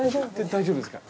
大丈夫ですか？